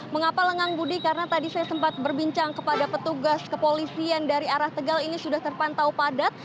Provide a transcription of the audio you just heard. mengapa lengang budi karena tadi saya sempat berbincang kepada petugas kepolisian dari arah tegal ini sudah terpantau padat